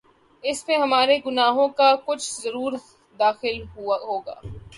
اس میں ہمارے گناہوں کا کچھ ضرور دخل ہو گا۔